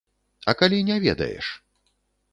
А калі не ведаеш?